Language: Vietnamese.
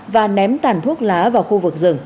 và ném tàn thuốc lá vào khu vực rừng